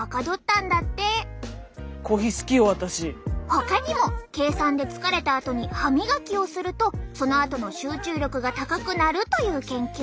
ほかにも計算で疲れたあとに歯磨きをするとそのあとの集中力が高くなるという研究も。